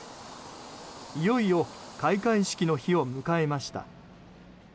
いよいよ開会式の日を迎えました。